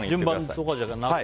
順番とかじゃなく。